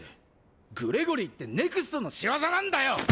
グレゴリーってＮＥＸＴの仕業なんだよ！